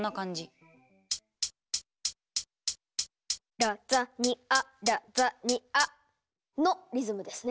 「ラザニアラザニア」のリズムですね。